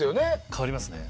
変わりますね。